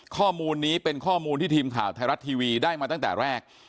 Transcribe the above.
ข้อมูลนี้เป็นข้อมูลที่ทีมข่าวไทยรัฐทีวีได้มาตั้งแต่แรก